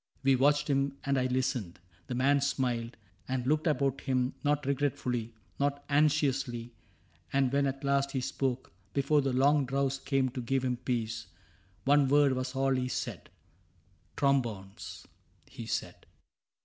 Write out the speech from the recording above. We watched him, and I listened. The man smiled And looked about him — not regretfully, Not anxiously ; and when at last he spoke. Before the long drowse came to give him peace. One word was all he said. " Trombones," he said.